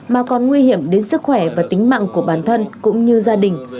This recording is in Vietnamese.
mà còn nguy hiểm đến sức khỏe và tính mạng của bản thân cũng như gia đình